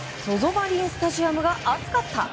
マリンスタジアムが熱かった！